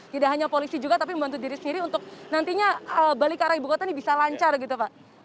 tidak hanya polisi juga tapi membantu diri sendiri untuk nantinya balik ke arah ibu kota ini bisa lancar gitu pak